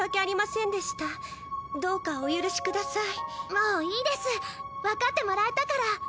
もういいですわかってもらえたから。